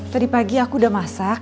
tadi pagi aku udah masak